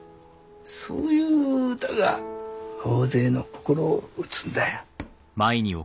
そういう歌が大勢の心を打つんだよ。